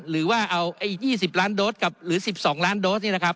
หรือว่าเอา๒๐ล้านโดสกับหรือ๑๒ล้านโดสนี่นะครับ